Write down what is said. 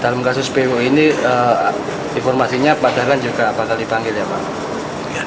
dalam kasus pu ini informasinya pak dahlan juga bakal dipanggil ya pak